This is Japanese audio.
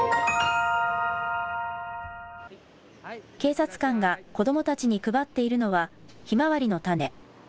警察官が子どもたちに配っているのはひまわりの種。